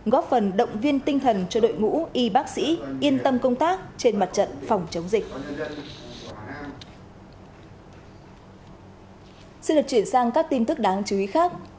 góp phần động viên tinh thần cho đội ngũ y bác sĩ yên tâm công tác trên mặt trận phòng chống dịch